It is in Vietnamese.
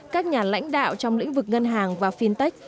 các nhà lãnh đạo trong lĩnh vực ngân hàng và fintech